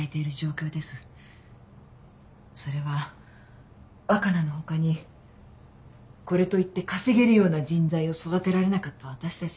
それは若菜の他にこれといって稼げるような人材を育てられなかった私たちの責任。